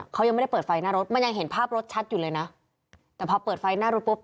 เขายังไม่ได้เปิดไฟหน้ารถมันยังเห็นภาพรถชัดอยู่เลยนะแต่พอเปิดไฟหน้ารถปุ๊บ